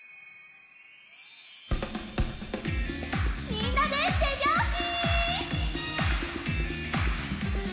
みんなでてびょうし！